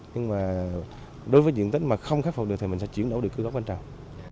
nhưng mà đối với diện tích mà không khắc phục được thì mình sẽ chuyển đổi được cây trồng